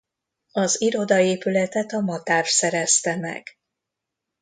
Az irodaépületet a Matáv szerezte meg.